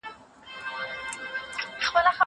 زه هره ورځ نان خورم!؟